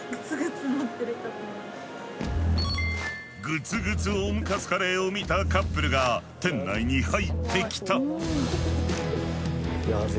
グツグツオムカツカレーを見たカップルが店内に入ってきた！